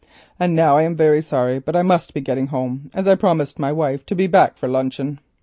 And now I am very sorry, but I must be getting home, as I promised my wife to be back for luncheon.